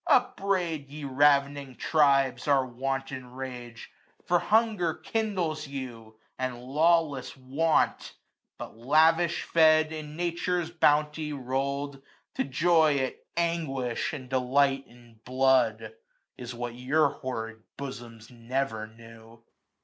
395 Upbraid, ye ravening tribes, our wanton rage. For hunger kindles you, and lawless want ; But lavish fed, in Nature's bounty roll'd. To joy at anguish, and delight in blood. Is what your horrid bosoms never knew.